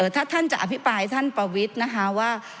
ถ้าท่านจะอภิปรายท่านปวิทย์ว่า